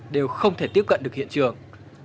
đều không thể tiếp cận được hiện trường